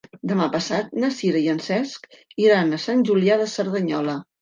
Demà passat na Sira i en Cesc iran a Sant Julià de Cerdanyola.